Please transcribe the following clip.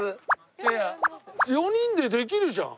いやいや４人でできるじゃん！